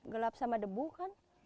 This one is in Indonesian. gelap sama debu kan